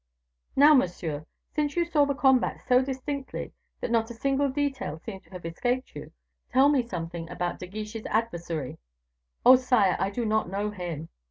"Now, monsieur, since you saw the combat so distinctly that not a single detail seems to have escaped you, tell me something about De Guiche's adversary." "Oh, sire, I do not know him."